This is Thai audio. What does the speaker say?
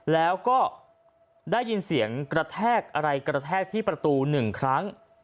แล้วก็ได้ยินเสียงกระแทกอะไรกระแทกที่ประตู๑ครั้ง